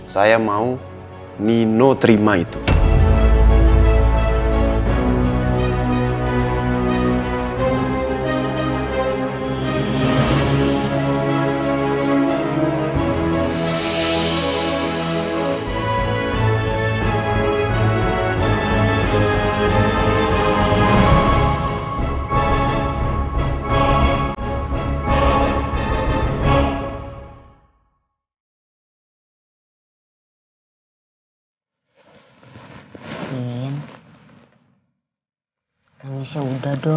saya mau nino terima itu